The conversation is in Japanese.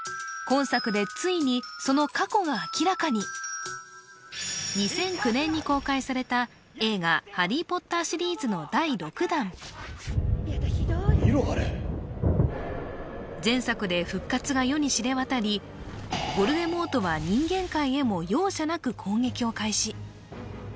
今作でついにその過去が明らかに２００９年に公開された映画「ハリー・ポッター」シリーズの第６弾前作で復活が世に知れ渡りヴォルデモートは人間界へも容赦なく攻撃を開始